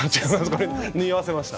これ縫い合わせました。